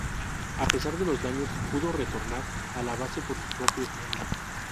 A pesar de los daños, pudo retornar a la base por sus propios medios.